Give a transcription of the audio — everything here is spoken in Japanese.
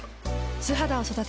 素肌を育てる。